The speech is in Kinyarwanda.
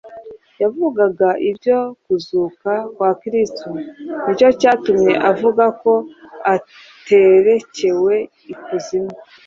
Yavugaga ibyo kuzuka kwa Kristo … ni cyo cyatumye avuga ko atarekewe ikuzimu,